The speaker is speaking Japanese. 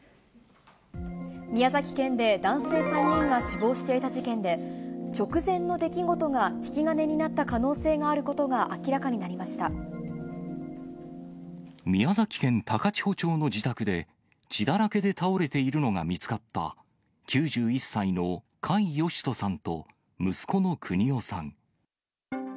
宮崎県で男性３人が死亡していた事件で、直前の出来事が引き金になった可能性があることが明らかになりま宮崎県高千穂町の自宅で、血だらけで倒れているのが見つかった、９１歳の甲斐義人さんと息子の邦雄さん。